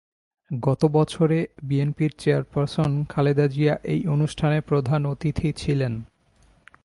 গত বছরে বিএনপির চেয়ারপারসন খালেদা জিয়া এই অনুষ্ঠানে প্রধান অতিথি ছিলেন।